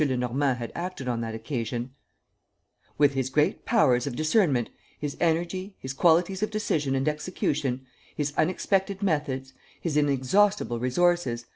Lenormand had acted on that occasion: "With his great powers of discernment, his energy, his qualities of decision and execution, his unexpected methods, his inexhaustible resources, M.